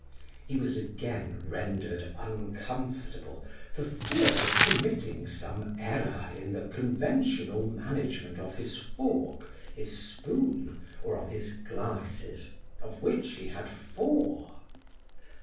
He was again rendered uncomfortable for fear of committing some error in the conventional management of his fork, his spoon, or his glasses, of which he had four.